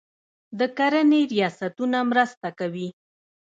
د کرنې ریاستونه مرسته کوي.